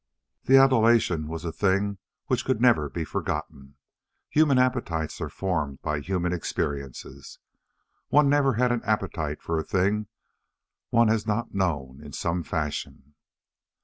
The adulation was a thing which could never be forgotten. Human appetites are formed by human experiences. One never had an appetite for a thing one has not known in some fashion.